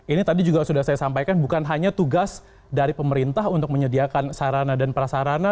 ini tadi juga sudah saya sampaikan bukan hanya tugas dari pemerintah untuk menyediakan sarana dan prasarana